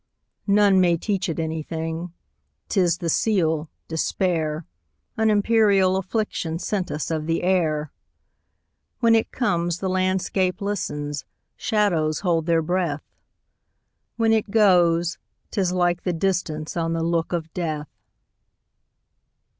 None may teach it anything,'T is the seal, despair,—An imperial afflictionSent us of the air. When it comes, the landscape listens, Shadows hold their breath; When it goes, 't is like the distanceOn the look of death.